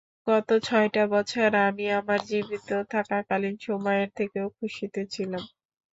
গত ছয়টা বছর, আমি আমার জীবিত থাকাকালীন সময়ের থেকেও খুশিতে ছিলাম।